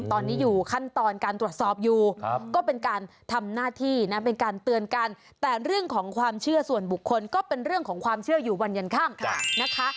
ตอนนี้อยู่ขั้นตอนการตรวจสอบอยู่ก็เป็นการทำหน้าที่นะเป็นการเตือนกันแต่เรื่องของความเชื่อส่วนบุคคลก็เป็นเรื่องของความเชื่ออยู่วันยันค่ำนะคะ